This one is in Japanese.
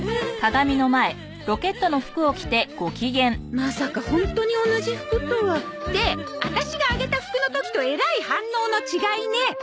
まさかホントに同じ服とは。ってワタシがあげた服の時とえらい反応の違いね！